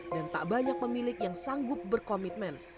dan tak banyak pemilik yang sanggup berkomitmen